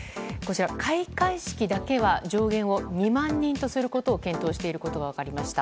開会式だけは上限を２万人とすることを検討していることが分かりました。